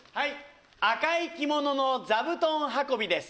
赤い着物の座布団運びです。